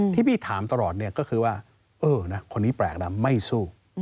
ที่พี่ถามตลอดเนี่ยก็คือว่าเออนะคนนี้แปลกนะไม่สู้